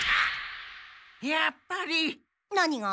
やっぱり！何が？